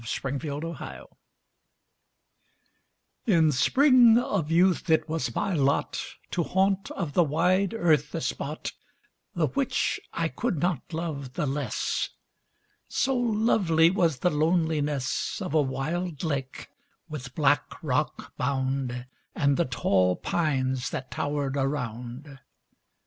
THE LAKE —— TO—— In spring of youth it was my lot To haunt of the wide earth a spot The which I could not love the less— So lovely was the loneliness Of a wild lake, with black rock bound, And the tall pines that tower'd around.